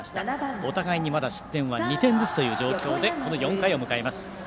お互いにまだ失点は２点ずつという状況でこの４回を迎えます。